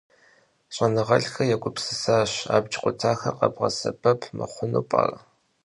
Ş'enığelh'xer yêgupsısaş, abc khutaxuexer khebğesebep mıxhunu p'ere?